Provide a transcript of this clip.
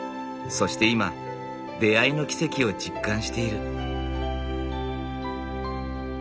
そして今出会いの奇跡を実感している。